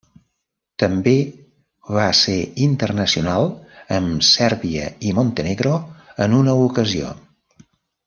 També va ser internacional amb Sèrbia i Montenegro en una ocasió.